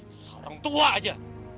seorang tua aja